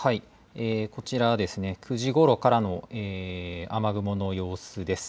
こちらは９時ごろからの雨雲の様子です。